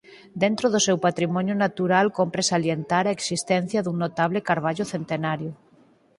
Dentro do seu patrimonio natural cómpre salientar a existencia dun notable carballo centenario.